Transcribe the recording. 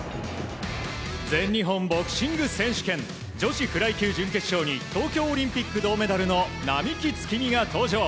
全日本ボクシング選手権女子フライ級準決勝に東京オリンピック銅メダルの並木月海が登場。